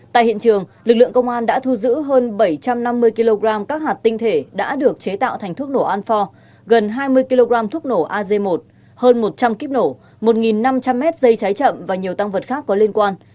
tại hiện trường lực lượng công an đã thu giữ hơn bảy trăm năm mươi kg các hạt tinh thể đã được chế tạo thành thuốc nổ anpor gần hai mươi kg thuốc nổ az một hơn một trăm linh kíp nổ một năm trăm linh mét dây cháy chậm và nhiều tăng vật khác có liên quan